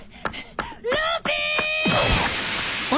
ルフィー！